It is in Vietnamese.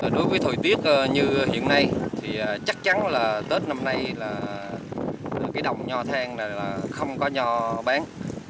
đối với thời tiết như hiện nay thì chắc chắn là tết năm nay là cái đồng nho thang này là không có nho bán